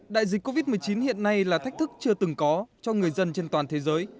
đại dịch covid một mươi chín hiện nay là thách thức chưa từng có cho người dân trên toàn thế giới